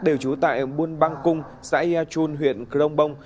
đều trú tại buôn bang cung xã ea chun huyện cửu long bông